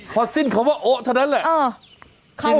พอสิ้นคำว่าโอ๊ะเท่านั้นแหละ